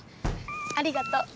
ありがと。